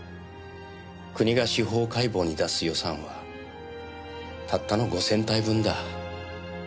国が司法解剖に出す予算はたったの５０００体分だ。